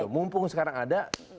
mumpung sekarang ada